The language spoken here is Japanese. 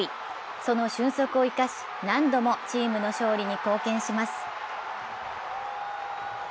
その俊足を生かし、何度もチームの勝利に貢献します。